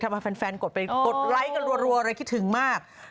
ทำให้แฟนกดไปกดไลค์กันรัวอะไรคิดถึงมาก